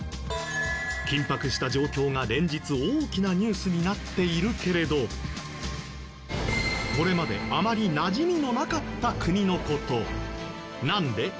緊迫した状況が連日、大きなニュースになっているけれどこれまで、あまりなじみのなかった国のこと何で？